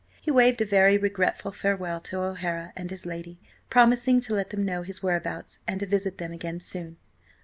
He waved a very regretful farewell to O'Hara and his lady, promising to let them know his whereabouts and to visit them again soon.